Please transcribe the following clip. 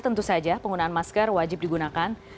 tentu saja penggunaan masker wajib digunakan